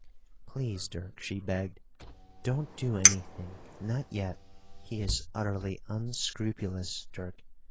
"Please, Dirk," she begged, "don't do anything not yet. He is utterly unscrupulous, Dirk.